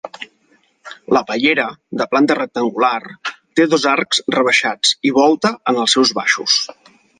La pallera, de planta rectangular, té dos arcs rebaixats i volta en els seus baixos.